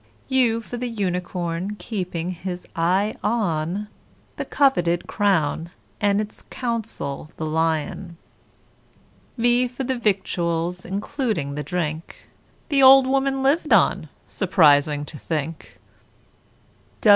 U for the Unicorn, keeping his eye on The coveted crown, and 'ts counsel the Lion. V for the Victuals, including the drink, The old woman lived on surprising to think!